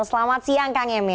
selamat siang kang emil